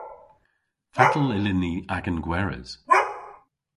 Fatel yllyn ni agan gweres?